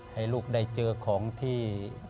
ให้ลูกได้เจอของที่